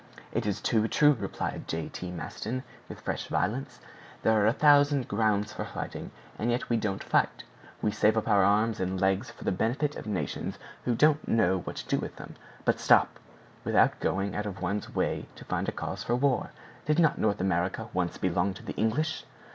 "It is too true," replied J. T. Maston, with fresh violence; "there are a thousand grounds for fighting, and yet we don't fight. We save up our arms and legs for the benefit of nations who don't know what to do with them! But stop—without going out of one's way to find a cause for war—did not North America once belong to the English?"